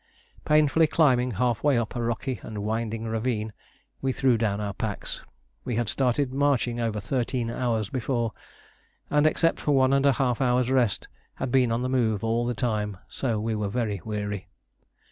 Painfully climbing half way up a rocky and winding ravine, we threw down our packs. We had started marching over thirteen hours before, and, except for one and a half hours rest, had been on the move all the time, so we were very weary.